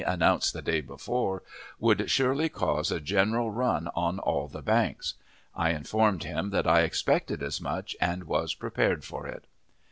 announced the day before, would surely cause a general run on all the banks. I informed him that I expected as much, and was prepared for it.